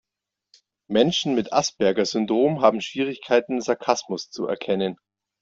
Menschen mit Asperger-Syndrom haben Schwierigkeiten, Sarkasmus zu erkennen.